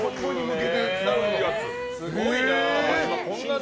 すごいな！